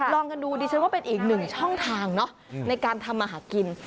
ลองกันดูดิฉันว่าเป็นอีกหนึ่งช่องทางเนอะในการทำมาหากิน